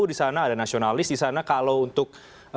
disana ada nasionalis disana kalau untuk